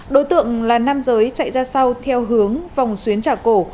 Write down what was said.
đối tượng là nam giới chạy ra sau theo hướng vòng xuyến trả cổ